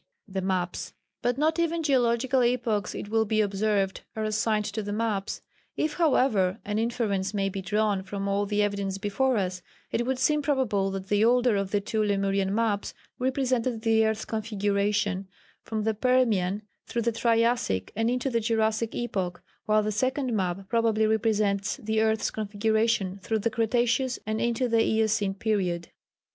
[Sidenote: The Maps.] But not even geological epochs, it will be observed, are assigned to the maps. If, however, an inference may be drawn from all the evidence before us, it would seem probable that the older of the two Lemurian maps represented the earth's configuration from the Permian, through the Triassic and into the Jurassic epoch, while the second map probably represents the earth's configuration through the Cretaceous and into the Eocene period.